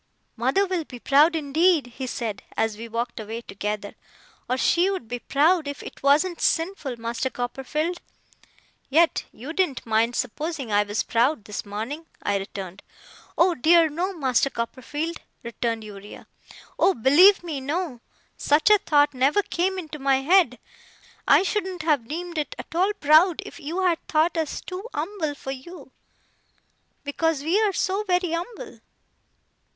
'Mother will be proud, indeed,' he said, as we walked away together. 'Or she would be proud, if it wasn't sinful, Master Copperfield.' 'Yet you didn't mind supposing I was proud this morning,' I returned. 'Oh dear, no, Master Copperfield!' returned Uriah. 'Oh, believe me, no! Such a thought never came into my head! I shouldn't have deemed it at all proud if you had thought US too umble for you. Because we are so very umble.